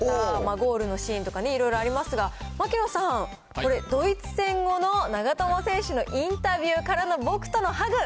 ゴールのシーンとか、いろいろありますが、槙野さん、これ、ドイツ戦後の長友選手のインタビューからの僕とのハグ。